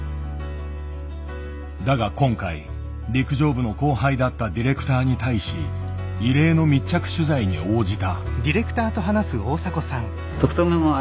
だが今回陸上部の後輩だったディレクターに対し異例の密着取材に応じた。